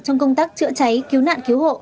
trong công tác chữa cháy cứu nạn cứu hộ